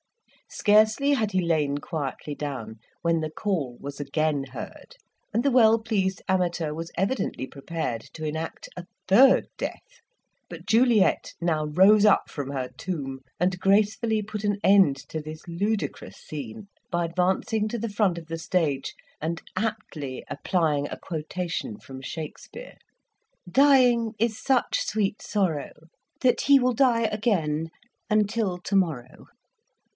Scarcely had he lain quietly down, when the call was again heard, and the well pleased amateur was evidently prepared to enact a third death; but Juliet now rose up from her tomb, and gracefully put an end to this ludicrous scene by advancing to the front of the stage and aptly applying a quotation from Shakspeare: "Dying is such sweet sorrow, That he will die again until to morrow."